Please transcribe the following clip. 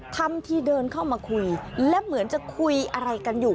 ทำที่เดินเข้ามาคุยและเหมือนจะคุยอะไรกันอยู่